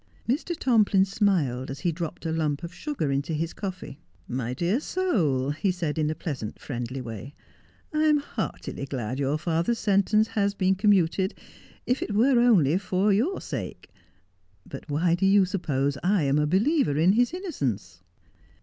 Mr. Tomplin smiled as he dropped a lump of sugar into his coffee. 'My dear soul,' he said, in a pleasant, friendly way, ' I am heartily glad your father's sentence has been commuted, if it were only for your sake. But why do you suppose 1 am a believer in his innocence